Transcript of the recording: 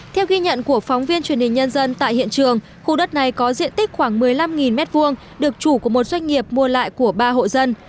theo ghi nhận của phóng viên truyền hình nhân dân tại hiện trường khu đất này có diện tích khoảng một mươi năm m hai được chủ của một doanh nghiệp mua lại của ba hộ dân